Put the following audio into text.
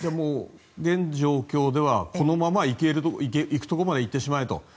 現状況ではこのまま行くところまで行ってしまえと。